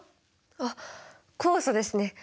あっ酵素ですね。